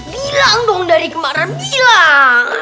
bilang dong dari kemarin hilang